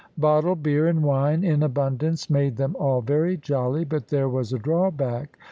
Bottled beer and wine in abundance made them all very jolly, but there was a drawback.